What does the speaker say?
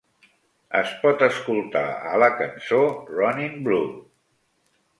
Es pot escoltar a la cançó "Runnin' Blue".